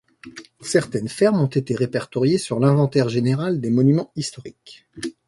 Certaines fermes ont été répertoriées sur l'inventaire général des Monuments historiques.